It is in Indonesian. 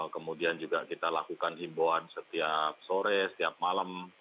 kemudian juga kita lakukan himbauan setiap sore setiap malam